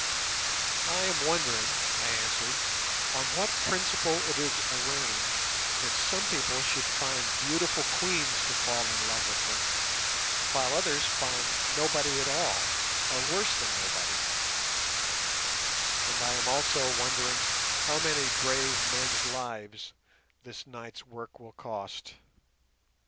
"I am wondering," I answered, "on what principle it is arranged that some people should find beautiful queens to fall in love with them, while others find nobody at all, or worse than nobody; and I am also wondering how many brave men's lives this night's work will cost."